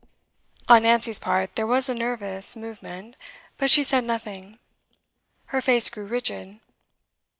On Nancy's part there was a nervous movement, but she said nothing. Her face grew rigid.